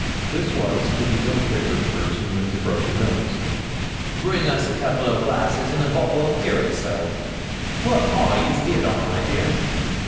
This was to the ill favoured person with the broken nose. 'Bring us a couple o' glasses and a bottle o' curaçoa; what are you fear'd on, my dear?